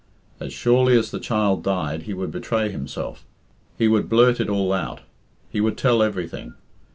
As surely as the child died he would betray himself. He would blurt it all out; he would tell everything.